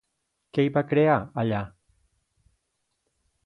Què hi va crear, allà?